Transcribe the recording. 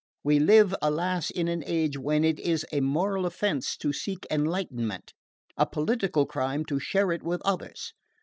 We live, alas, in an age when it is a moral offence to seek enlightenment, a political crime to share it with others.